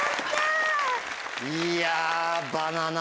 いや。